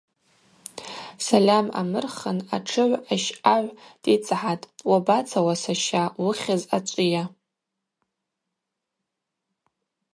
Сальам амырхын атшыгӏв ащъагӏв дицӏгӏатӏ: – Уабацауа, саща, уыхьыз ачӏвыйа?